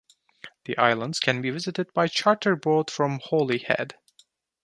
The islands can be visited by charter boat from Holyhead.